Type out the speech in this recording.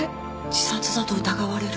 自殺だと疑われる。